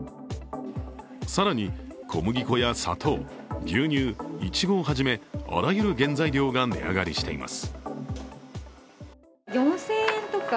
更に小麦粉や砂糖、牛乳、いちごをはじめあらゆる原材料が値上がりしています。